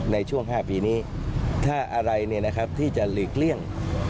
ในช่วง๕ปีนี้ถ้าอะไรที่จะหลีกเลี่ยง